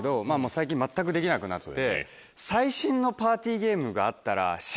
最近全くできなくなって。